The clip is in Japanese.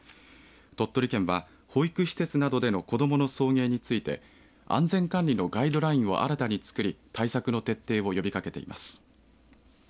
鳥取県は、保育施設などでの子どもの送迎について安全管理のガイドラインを新たにつくり対策の徹底を呼びかけています。